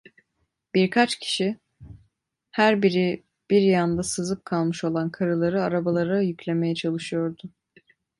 Birkaç kişi, her biri bir yanda sızıp kalmış olan karıları arabalara yüklemeye çalışıyordu.